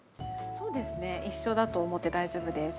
そうですね一緒だと思って大丈夫です。